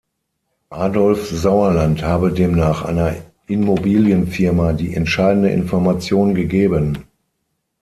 Adolf Sauerland habe demnach einer Immobilienfirma die entscheidende Information gegeben.